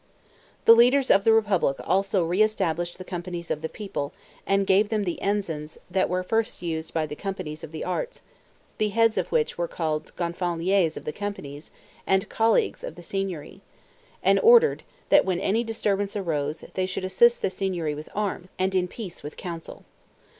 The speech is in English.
The leaders of the republic also re established the companies of the people, and gave them the ensigns that were first used by the companies of the Arts; the heads of which were called Gonfaloniers of the companies and colleagues of the Signory; and ordered, that when any disturbance arose they should assist the Signory with arms, and in peace with counsel.